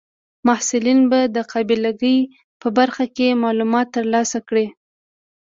محصلین به د قابله ګۍ په برخه کې معلومات ترلاسه کړي.